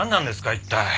一体。